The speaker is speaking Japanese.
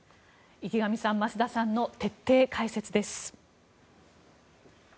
池上さん、増田さんの徹底解説です。